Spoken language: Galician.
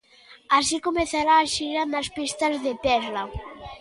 Así comezará a xira nas pistas de terra.